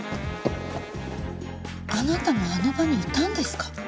あなたもあの場にいたんですか？